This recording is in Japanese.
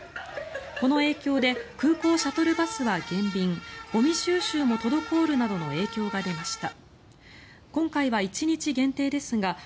この影響で空港シャトルバスは減便ゴミ収集も滞るなどの影響が出ました。